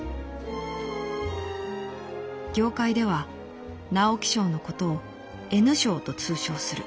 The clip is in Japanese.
「業界では直木賞のことを『Ｎ賞』と通称する」。